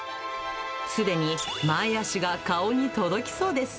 すでに前足が顔に届きそうです。